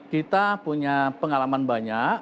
kita punya pengalaman banyak